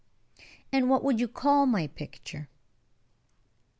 "And what would you call my picture?"